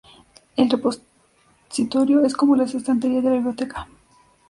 El repositorio es como las estanterías de la biblioteca.